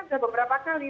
sudah beberapa kali